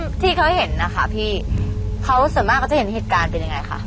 คนที่เขาเห็นนะคะพี่เขาเสมอมากก็จะเห็นอิจการเป็นยังไงคะ